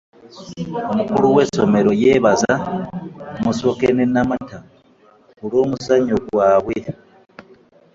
Omukulu w'essomero yeebaza Musoke me Namata olwomuzannyo gwabwe.